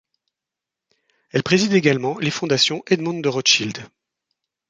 Elle préside également les fondations Edmond de Rothschild.